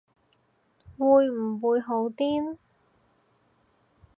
會唔會好癲